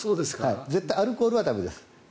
絶対にアルコールは駄目です。